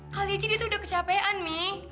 kali aja dia tuh udah kecapean mi